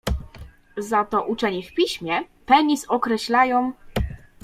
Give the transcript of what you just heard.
Za to uczeni w piśmie, penis - określają.